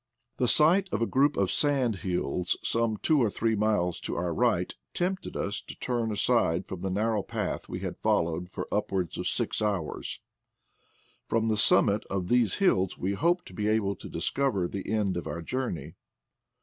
The sight of a group of sand hills, some two or three miles to our right, tempted us to turn aside from the narrow path we had followed for upwards of six hours : from the summit of these hills we hoped to be able to discover the end of our journey.